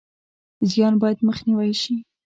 زیان باید مخنیوی شي